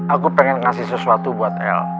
aku pengen ngasih sesuatu buat el